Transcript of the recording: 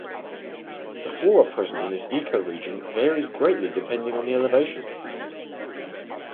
The flora present in this ecoregion varies greatly depending on elevation.